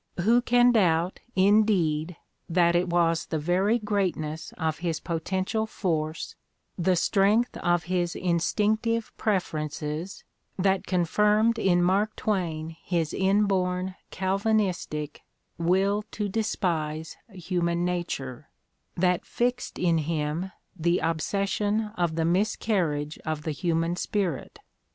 Who can doubt, indeed, that it was the very greatness of his potential force, the strength of his instinctive preferences, that confirmed in Mark Twain his inborn Calvinistic will to despise human nature, that fixed in him the obsession of the miscarriage of the human spirit?